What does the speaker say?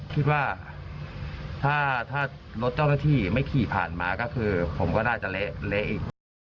คิดว่าถ้ารถเจ้าหน้าที่ไม่ขี่ผ่านมาก็คือผมก็น่าจะเละอีก